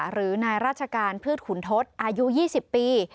หรือนายราชการพืชขุนทศอายุ๒๐ปี